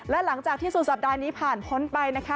และหลังจากที่สุดสัปดาห์นี้ผ่านพ้นไปนะคะ